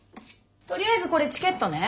とりあえずこれチケットね。